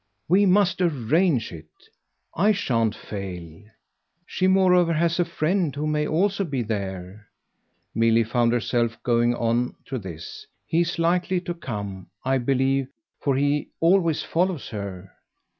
"We must arrange it I shan't fail. She moreover has a friend who may also be there" Milly found herself going on to this. "He's likely to come, I believe, for he always follows her."